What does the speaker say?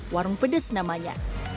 warung pedes namanya